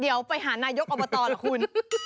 ยกอบบัตรเหรอคุณ